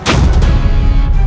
yang akan menjadikan